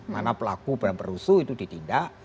mana pelaku beran perusuh itu ditindak